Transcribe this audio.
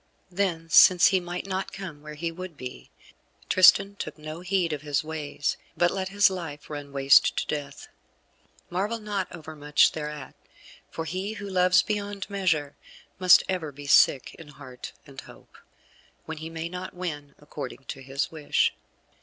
Then since he might not come where he would be, Tristan took no heed to his ways, but let his life run waste to Death. Marvel not overmuch thereat, for he who loves beyond measure must ever be sick in heart and hope, when he may not win according to his wish.